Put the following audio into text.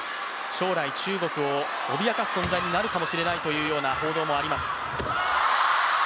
将来中国を脅かす存在になるかもしれないという報道もあります。